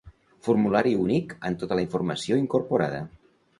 Formulari únic amb tota la informació incorporada.